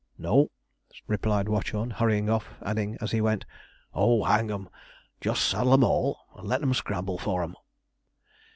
'No,' replied Watchorn, hurrying off; adding, as he went, 'oh, hang 'em, just saddle 'em all, and let 'em scramble for 'em.'